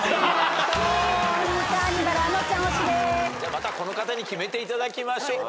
またこの方に決めていただきましょうかね。